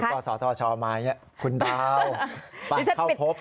เดี๋ยวก็สอทชมาเนี่ยคุณบ้าวปากเข้าพบ